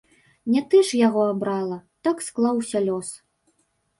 Не ты ж яго абрала, так склаўся лёс.